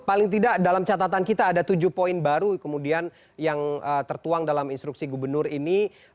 paling tidak dalam catatan kita ada tujuh poin baru kemudian yang tertuang dalam instruksi gubernur ini